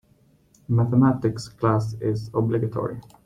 Mathematics class is obligatory.